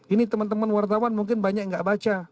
ini teman teman wartawan mungkin banyak yang nggak baca